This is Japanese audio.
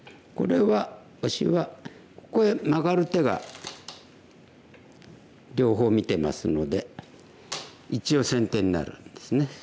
これはオシはここへマガる手が両方見てますので一応先手になるんですね。